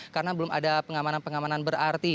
karena belum ada pengamanan pengamanan berarti